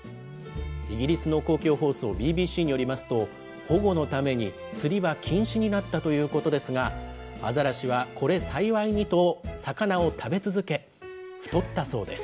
イギリスの公共放送ＢＢＣによりますと、保護のために釣りは禁止になったということですが、アザラシはこれ幸いにと、魚を食べ続け、太ったそうです。